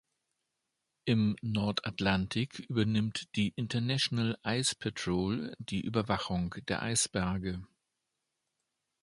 Im Nordatlantik übernimmt die International Ice Patrol die Überwachung der Eisberge.